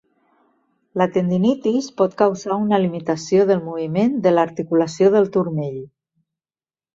La tendinitis pot causar una limitació del moviment de l'articulació del turmell.